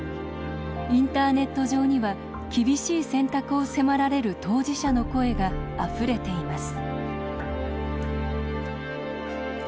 インターネット上には厳しい選択を迫られる当事者の声があふれています